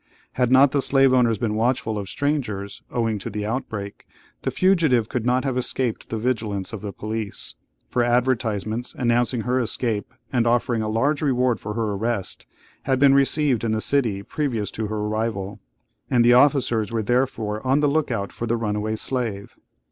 Had not the slaveowners been watchful of strangers, owing to the outbreak, the fugitive could not have escaped the vigilance of the police; for advertisements, announcing her escape and offering a large reward for her arrest, had been received in the city previous to her arrival, and the officers were therefore on the look out for the runaway slave.